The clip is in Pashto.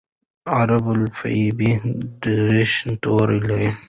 عربي الفبې دېرش توري لري.